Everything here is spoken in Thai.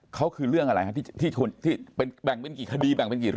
เค้าคือเรื่องอะไรครับที่แบ่งเป็นกี่คดี